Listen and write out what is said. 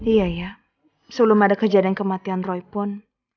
iya ya sebelum ada kejadian kematian roy pun